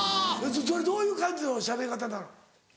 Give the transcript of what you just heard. それどういう感じのしゃべり方なの？